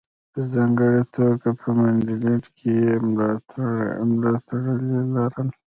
په ځانګړې توګه په منډلینډ کې یې ملاتړي لرل.